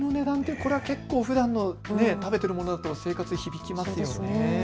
これは結構、ふだんの食べているものだと生活に響きますね。